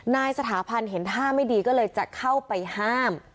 นายสถาพันธ์เห็นท่าไม่ดีก็เลยจะเข้าไปห้าม